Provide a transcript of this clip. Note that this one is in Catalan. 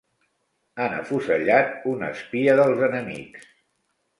Han afusellat un espia dels enemics.